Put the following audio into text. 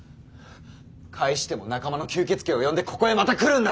帰しても仲間の吸血鬼を呼んでここへまた来るんだろ！